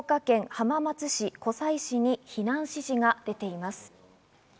静岡県浜松市、湖西市に避難指示が出ています。